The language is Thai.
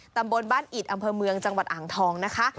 ตำบลบ้านอิดอำเภอเมืองจังหวัดอ่างทองนะคะ